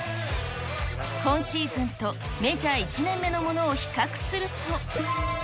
今シーズンとメジャー１年目のものを比較すると。